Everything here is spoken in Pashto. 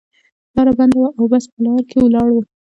لاره بنده وه او بس په لار کې ولاړ و.